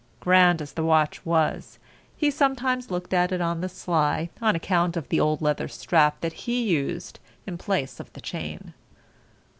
Grand as the watch was, he sometimes looked at it on the sly on account of the old leather strap that he used in place of a chain.